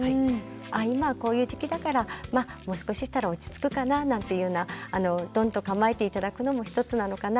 今はこういう時期だからもう少ししたら落ち着くかななんていうふうなドンと構えて頂くのも一つなのかなと思います。